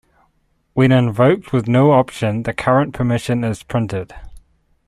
When invoked with no option, the current permission is printed.